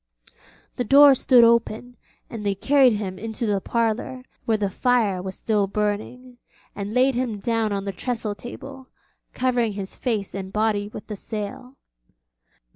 The door stood open, and they carried him into the parlour, where the fire was still burning, and laid him down on the trestle table, covering his face and body with the sail.